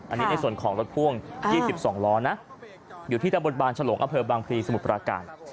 อันนี้ในส่วนของรถพ่วง๒๒ล้อนะอยู่ที่ตำบลบางฉลงอำเภอบางพลีสมุทรปราการ